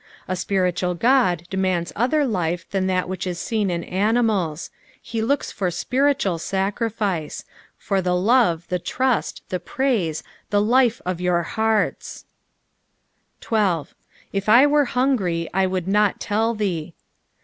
A spiritnal God demands other life than that which is seen in animals; ho looks for spirituat sacrifice; for the love, the trust, tlie praise, the life of your hearts. PSALK THE FIFTIETH. 433 13. "If I were hungry, I would not UU thee.''